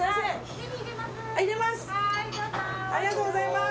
ありがとうございます！